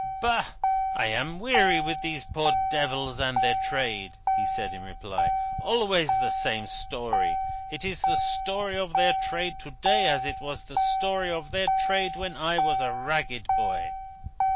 "Bah! I am weary of these poor devils and their trade," he said, in reply. "Always the same story. It is the story of their trade to day, as it was the story of their trade when I was a ragged boy.